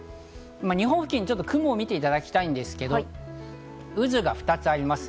日本付近、雲を見ていただきたいんですけど、渦が２つあります。